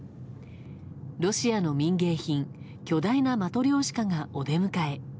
ロシアの民芸品巨大なマトリョーシカがお出迎え。